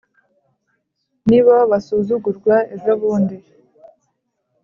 ni bo basuzugurwa ejobundi